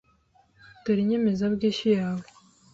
Dore inyemezabwishyu yawe.